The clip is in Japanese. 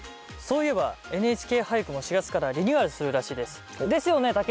そういえば「ＮＨＫ俳句」も４月からリニューアルするらしいです。ですよね？